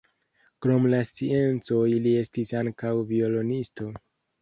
Krom la sciencoj li estis ankaŭ violonisto.